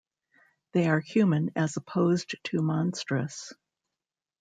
They are human as opposed to monstrous.